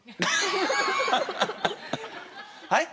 はい！？